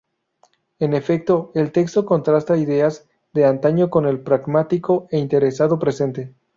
En efecto, el texto "contrasta ideales de antaño con el pragmático e interesado presente.